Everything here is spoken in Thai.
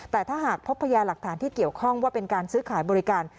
แต่ถ้าหากพบพยาหลักฐานที่เกี่ยวข้องว่าเป็นการซื้อขายบริการ